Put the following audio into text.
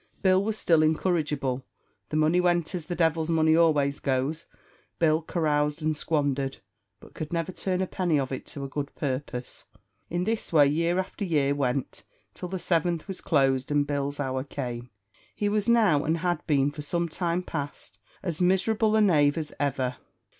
Bill was still incorrigible. The money went as the devil's money always goes. Bill caroused and squandered, but could never turn a penny of it to a good purpose. In this way, year after year went, till the seventh was closed, and Bill's hour come. He was now, and had been for some time past, as miserable a knave as ever.